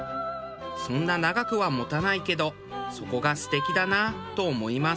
そんな長くは持たないけどそこが素敵だなと思います。